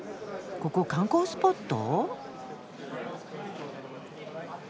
ここ観光スポット？